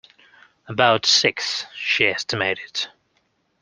About six, she estimated.